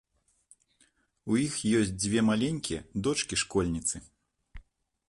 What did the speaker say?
У іх ёсць дзве маленькія дочкі-школьніцы.